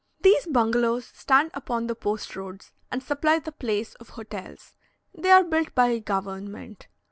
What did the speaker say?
These bungalows stand upon the post roads, and supply the place of hotels. They are built by government.